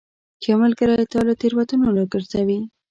ښه ملګری تا له تیروتنو راګرځوي.